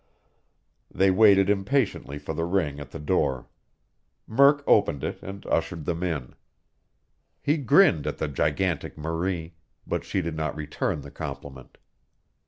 They waited impatiently for the ring at the door. Murk opened it and ushered them in. He grinned at the gigantic Marie, but she did not return the compliment.